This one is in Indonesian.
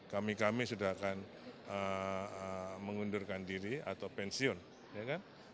kami kami sudah akan mengundurkan diri atau pensiun ya kan